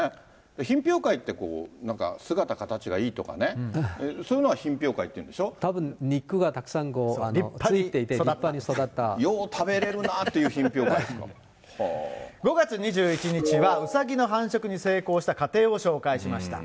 品評会って、なんか姿形がいいとかね、そういうのは品評会っていたぶん、肉がたくさんついていて、よう食べれるなっていう品評５月２１日はうさぎの繁殖に成功した家庭を紹介しました。